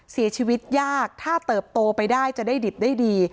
ชีวิตยากถ้าเติบโตไปได้จะได้ดิบได้ดี